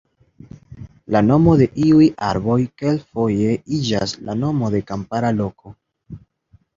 La nomo de iuj arboj kelkfoje iĝas la nomo de kampara loko.